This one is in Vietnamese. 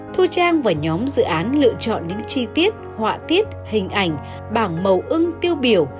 thu trang và nhóm dự án lựa chọn những chi tiết họa tiết hình ảnh bảng màu ưng tiêu biểu